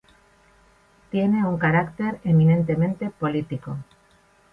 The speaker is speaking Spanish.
Tiene un carácter eminentemente político.